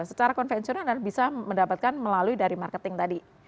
secara konvensional bisa mendapatkan melalui dari marketing tadi